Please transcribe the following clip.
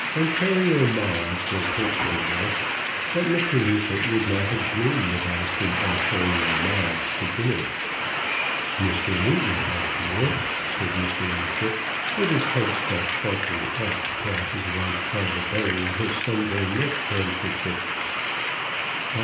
Ontario Moggs was her favourite; but Mr. Neefit would not have dreamed of asking Ontario Moggs to dinner. "Mr. Newton, my dear," said Mr. Neefit, with his head stuck sharply up, while his wife tied a bow in his Sunday neckhandkerchief.